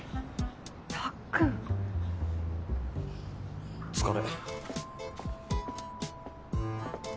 たっくん。お疲れ。